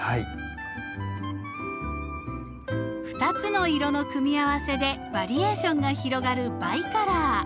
２つの色の組み合わせでバリエーションが広がるバイカラー。